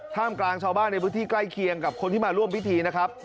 กลางชาวบ้านในพื้นที่ใกล้เคียงกับคนที่มาร่วมพิธีนะครับ